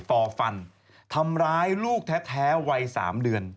ฟอฟันทำร้ายลูกแท้วัย๓เดือน